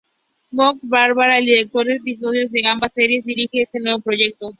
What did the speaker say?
Makoto Baba, el director de episodios de ambas series, dirige este nuevo proyecto.